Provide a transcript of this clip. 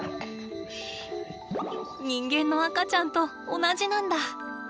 人間の赤ちゃんと同じなんだ。